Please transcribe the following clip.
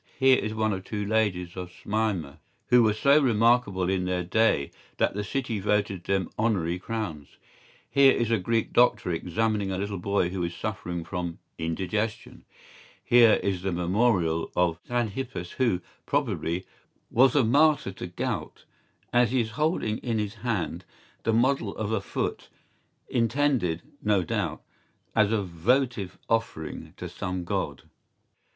¬Ý Here is one of two ladies of Smyrna who were so remarkable in their day that the city voted them honorary crowns; here is a Greek doctor examining a little boy who is suffering from indigestion; here is the memorial of Xanthippus who, probably, was a martyr to gout, as he is holding in his hand the model of a foot, intended, no doubt, as a votive offering to some god.